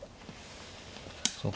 そうか